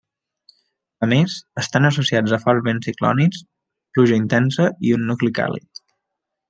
A més, estan associats a forts vents ciclònics, pluja intensa i un nucli càlid.